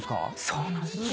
そうなんです。